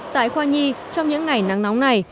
tại khoa nhi trong những ngày nắng nóng này